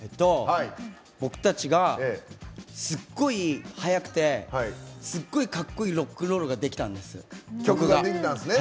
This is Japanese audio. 僕たちがすっごい速くてすっごいかっこいいロックンロールができたんです、曲が。